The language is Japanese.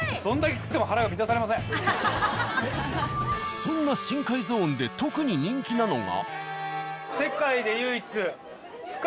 そんな深海ゾーンで特に人気なのが。